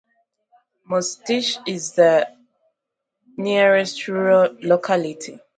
Mostishche is the nearest rural locality.